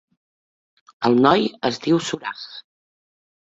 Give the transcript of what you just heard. El noi es diu Suraj.